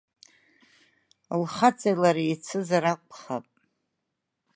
Лхаҵеи лареи еицызар акәхап!